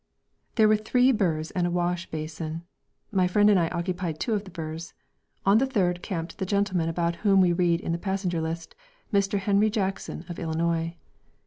There were three berths and a wash basin. My friend and I occupied two of the berths. On the third there camped the gentleman about whom we read in the passenger list: "Mr. Henry Jackson of Illinois."